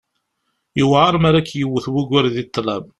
Yewεer mi ara k-yewwet wugur di ṭṭlam.